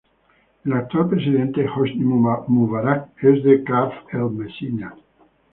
El actual presidente Hosni Mubarak es de Kafr El-Messilha.